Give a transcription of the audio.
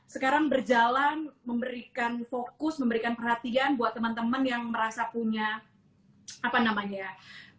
sekarang berjalan memberikan fokus memberikan perhatian buat teman teman yang merasa punya apa namanya ya